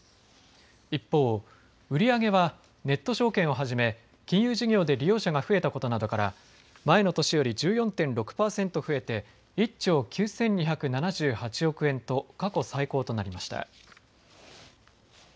一方、売り上げはネット証券をはじめ金融事業で利用者が増えたことなどから前の年より１４．６％増えて１兆９２７８億円と過去最高となりました。